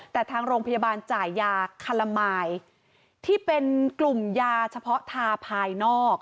แต่ทางโรงพยาบาลจ่ายยาคาละมายที่เป็นกลุ่มยาเฉพาะทาภายนอก